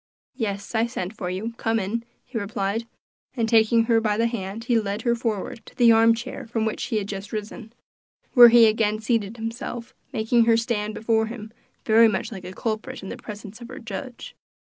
"Yes, I sent for you; come in," he replied; and taking her by the hand he led her forward to the arm chair from which he had just risen, where he again seated himself, making her stand before him very much like a culprit in the presence of her judge.